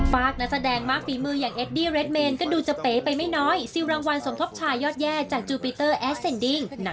ฝากนักแสดงมากฝีมืออย่างเอดดี้เรดเมน